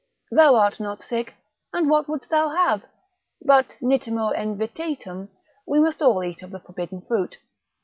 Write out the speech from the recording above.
Thou art not sick, and what wouldst thou have? But nitimur in vetitum, we must all eat of the forbidden fruit.